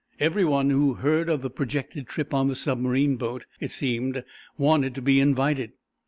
Every one who heard of the projected trip on the submarine boat, it seemed, wanted to be invited.